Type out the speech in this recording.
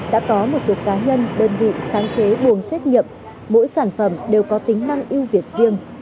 đã có một số cá nhân đơn vị sáng chế buồng xét nghiệm mỗi sản phẩm đều có tính năng ưu việt riêng